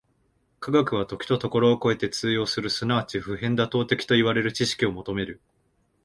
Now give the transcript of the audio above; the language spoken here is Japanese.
科学は時と処を超えて通用する即ち普遍妥当的といわれる知識を求める。